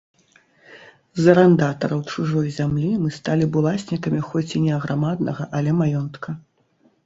З арандатараў чужой зямлі мы сталі б уласнікамі хоць і не аграмаднага, але маёнтка.